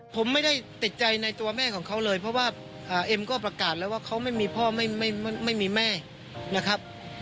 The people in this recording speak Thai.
ผมไม่ได้ติดใจในตัวแม่ของเขาเลยเพราะว่าเอ็มก็ประกาศแล้วว่าเขาไม่มีพ่อไม่มีแม่นะครับ